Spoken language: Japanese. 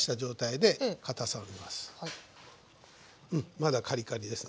うんまだカリカリですね。